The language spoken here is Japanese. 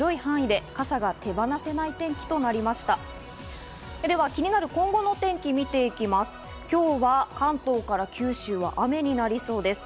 では気になる今後の天気、見ていきます。